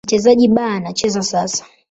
Mchezaji B anacheza sasa.